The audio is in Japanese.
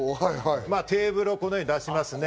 テーブルをこのように出しますね。